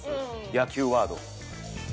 野球ワード。